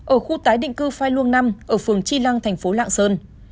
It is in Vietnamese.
ở khu tái định cư phai luông năm ở phường chi lăng tp lạng sơn